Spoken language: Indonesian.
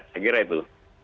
saya kira itu